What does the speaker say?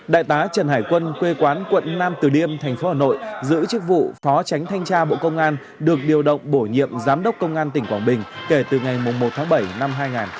đại tá trần hải quân quê quán quận nam từ liêm thành phố hà nội giữ chức vụ phó tránh thanh tra bộ công an được điều động bổ nhiệm giám đốc công an tỉnh quảng bình kể từ ngày một tháng bảy năm hai nghìn hai mươi ba